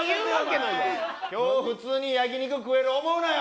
今日普通に焼肉食える思うなよ。